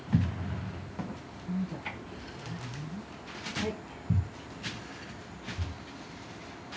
はい。